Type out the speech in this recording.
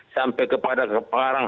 sampai kepada keparang